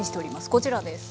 こちらです。